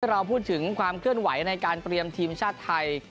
เราพูดถึงความเคลื่อนไหวในการเตรียมทีมชาติไทย